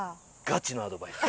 ガチアドバイス。